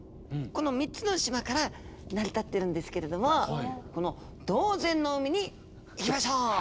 この３つの島から成り立ってるんですけれどもこの島前の海に行きましょう！